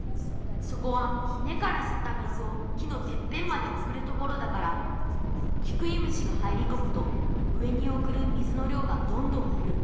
そこはねからすった水を木のてっぺんまでおくるところだからキクイムシがはいりこむと上におくる水のりょうがどんどんへる。